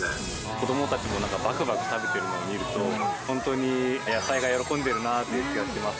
子どもたちもなんか、ばくばく食べてるのを見ると、本当に野菜が喜んでるなって気がします。